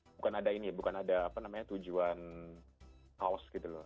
bukan ada ini bukan ada tujuan kaos gitu loh